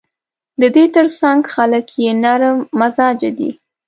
د دې ترڅنګ خلک یې نرم مزاجه دي.